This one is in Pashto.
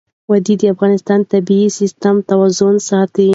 وادي د افغانستان د طبعي سیسټم توازن ساتي.